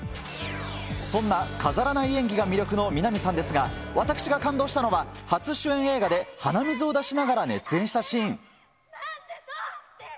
そんな飾らない演技が魅力の南さんですが、私が感動したのは、初主演映画で鼻水を出しながら熱演したシーン。